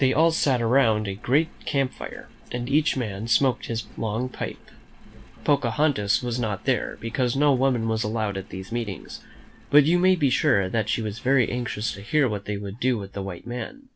They all sat around a great camp fire, and each man smoked his long pipe. Pocahontas was not there, because no woman was allowed at these meetings; but you may be sure that she was very anxious to hear what they would do with the white man.